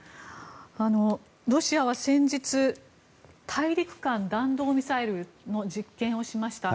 ロシアは先日大陸間弾道ミサイルの実験をしました。